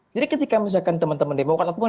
jadi ketika teman teman demokrat